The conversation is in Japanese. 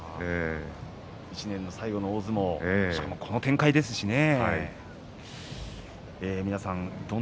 １年最後の大相撲しかもこの展開ですしね。